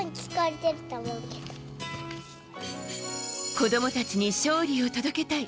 子供たちに勝利を届けたい。